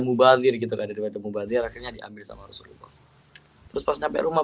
mubalir gitu ada diwetuk mubalir akhirnya diambil sama rasulullah terus pas nyampe rumah